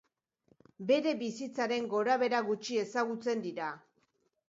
Bere bizitzaren gorabehera gutxi ezagutzen dira.